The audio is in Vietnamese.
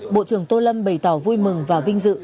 bộ trưởng tô lâm bày tỏ vui mừng và vinh dự